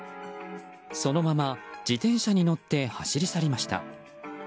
そのまま自転車に乗って走り去りました。